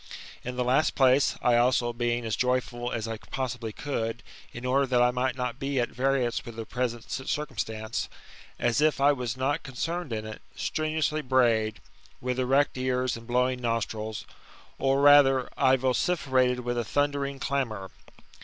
In the last place, I also, being as joyful as I possibly could, in order that I might not be at variance with the present circum stance, as if I was not oncerned in it, strenuously brayed, with erect ears and blowing nostrils, or rather, I vociferated with a thundering clamour.